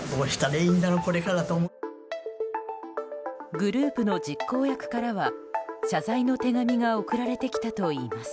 グループの実行役からは謝罪の手紙が送られてきたといいます。